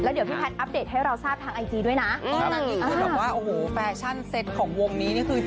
แล้วเดี๋ยวพี่แพทย์อัปเดตให้เราทราบทางไอจีด้วยนะ